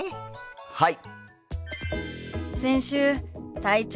はい！